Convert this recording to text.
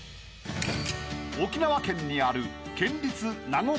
［沖縄県にある］